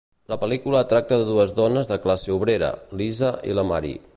La pel·lícula tracta de dues dones de classe obrera, l'Isa i la Marie.